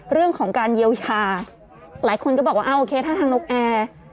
เรื่องของการเยียวยาหลายคนก็บอกว่าอ่าโอเคถ้าทางนกแอร์